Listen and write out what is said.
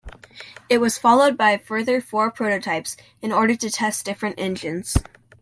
It was followed by further four prototypes, in order to test different engines.